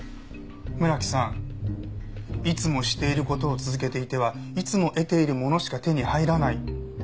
村木さんいつもしている事を続けていてはいつも得ているものしか手に入らない。